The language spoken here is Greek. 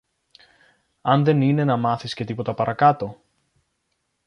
αν δεν είναι να μάθεις και τίποτα παρακάτω;